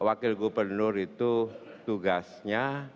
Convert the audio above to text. wakil gubernur itu tugasnya